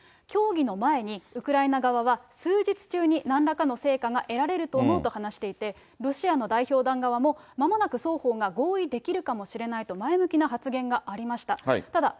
協議の前にウクライナ側は、数日中になんらかの成果が得られると思うと話していて、ロシアの代表団側も、まもなく双方が合意できるかもしれないと、前向きな発言がありました。